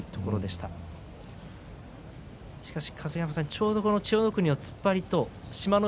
しかし春日山さん、ちょうどこの千代の国の突っ張りと志摩ノ